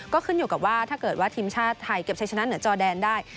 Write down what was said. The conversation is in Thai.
ก็ขึ้นอยู่กับว่าถ้าเกิดว่าทีมชาติไทยเก็บใช้ชนะเหนือจอแดนได้